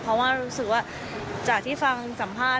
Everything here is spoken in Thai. เพราะว่ารู้สึกว่าจากที่ฟังสัมภาษณ์